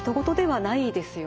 はい。